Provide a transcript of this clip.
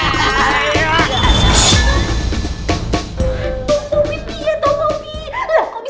tuh pomi tuh pomi